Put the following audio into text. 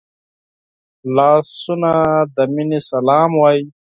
لاسونه د مینې سلام وايي